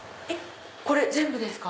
これ全部ですか？